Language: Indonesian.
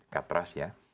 cut trust ya